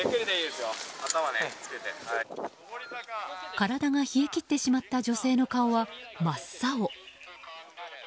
体が冷え切ってしまった女性の顔は真っ青。